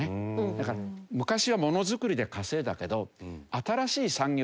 だから昔はものづくりで稼いだけど。